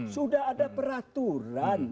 sudah ada peraturan